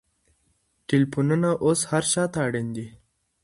ټلېفونونه اوس هر چا ته اړین دي.